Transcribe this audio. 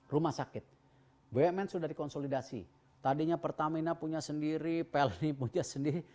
rumah sakit bumn sudah dikonsolidasi tadinya pertamina punya sendiri pelni punya sendiri